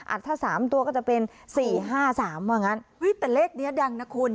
ถ้า๓ตัวก็จะเป็นสี่ห้าสามว่างั้นแต่เลขนี้ดังนะคุณ